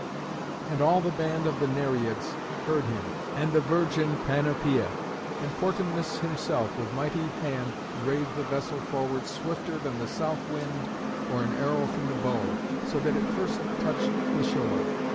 And all the band of the Nereïds heard him, and the virgin Panopeä; and Portumnus himself with mighty hand drave the vessel forward swifter than the south wind or an arrow from the bow, so that it first touched the shore.